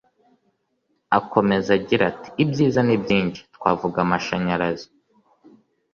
Akomeza agira ati “Ibyiza ni byinshi twavuga amashanyarazi